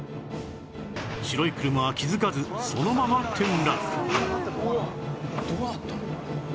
白い車は気づかずそのまま転落